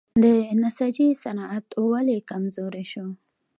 د نساجي صنعت ولې کمزوری شو؟